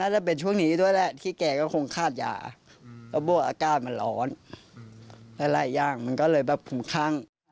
ได้อย่างมันก็เลยแบบคุ้มข้าง